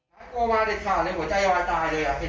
หลายโกมาเด็ดขาดเลยผมใจวาดตายเลย